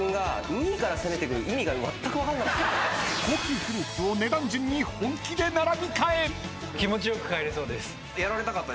高級フルーツを値段順に本気で並び替え。